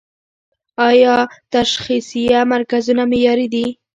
آیا تشخیصیه مرکزونه معیاري دي؟